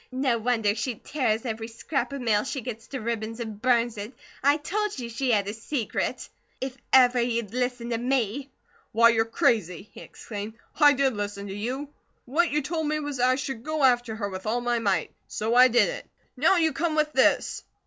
No wonder she tears every scrap of mail she gets to ribbons an' burns it. I told you she had a secret! If ever you'd listen to me." "Why, you're crazy!" he exclaimed. "I did listen to you. What you told me was that I should go after her with all my might. So I did it. Now you come with this.